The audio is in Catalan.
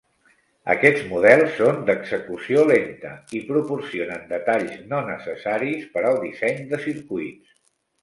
Aquests models són d'execució lenta i proporcionen detalls no necessaris per al disseny de circuits.